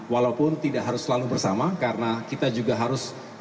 walaupun tidak harus selalu bersama karena kita juga harus